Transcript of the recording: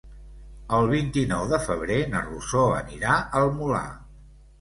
El vint-i-nou de febrer na Rosó anirà al Molar.